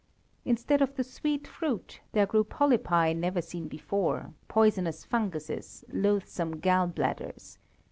Instead of the sweet fruit, there grew polypi never seen before, poisonous funguses, loathsome gall bladders.